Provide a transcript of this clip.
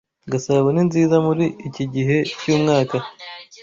Gasabo ni nziza muri iki gihe cyumwaka.